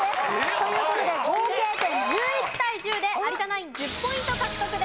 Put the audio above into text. という事で合計点１１対１０で有田ナイン１０ポイント獲得です。